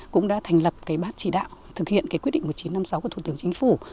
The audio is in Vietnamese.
cũng đã thành lập cái bát chỉ đạo thực hiện cái quyết định một nghìn chín trăm năm mươi sáu của thủ tướng chính phủ